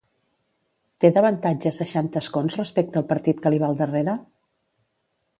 Té d'avantatge seixanta escons respecte al partit que li va al darrere?